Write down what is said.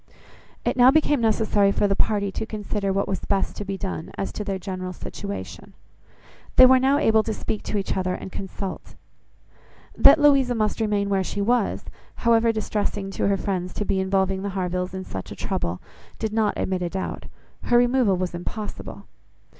It now became necessary for the party to consider what was best to be done, as to their general situation. They were now able to speak to each other and consult. That Louisa must remain where she was, however distressing to her friends to be involving the Harvilles in such trouble, did not admit a doubt. Her removal was impossible.